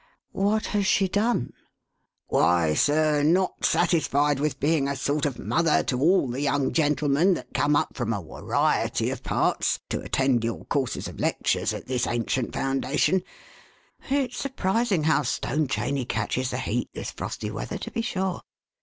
"What has she done?" " Why, sir, not satisfied with being a sort of mother to all the young gentlemen that come up from a wariety of parts, to attend your courses of lectures at this ancient foundation — it's surprising how stone chaney catches the heat this frosty weather, to be sure